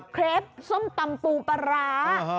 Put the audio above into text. เครปส้มตำปูปลาร้า